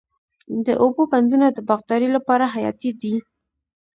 د اوبو بندونه د باغدارۍ لپاره حیاتي دي.